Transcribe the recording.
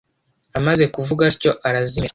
amaze kuvuga atyo arazimira